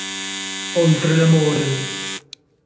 Oltre l'amore